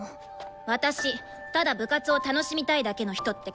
私ただ部活を楽しみたいだけの人って嫌いなの。